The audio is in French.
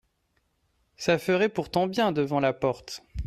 Ca ferait pourtant bien devant la porte.